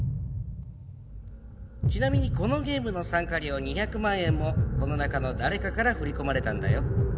ちなみにこのゲームの参加料２００万円もこの中の誰かから振り込まれたんだよ。